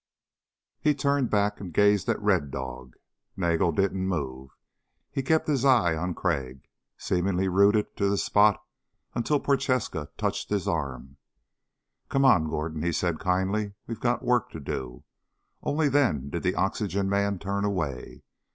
He turned back and gazed at Red Dog. Nagel didn't move. He kept his eyes on Crag, seemingly rooted to the spot until Prochaska touched his arm. "Come on, Gordon," he said kindly. "We've got work to do." Only then did the oxygen man turn away.